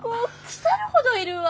腐るほどいるわ。